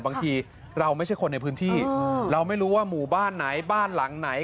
บางทีเราไม่ใช่คนในพื้นที่เราไม่รู้ว่าหมู่บ้านไหนบ้านหลังไหน